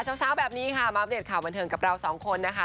เช้าแบบนี้ค่ะมาอัปเดตข่าวบันเทิงกับเราสองคนนะคะ